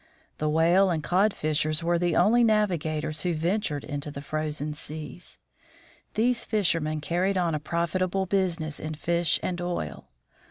The whale and cod fishers were the only navigators who ventured into the frozen seas. These fishermen carried on a profitable business in fish and oil.